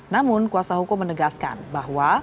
namun kuasa hukum menegaskan bahwa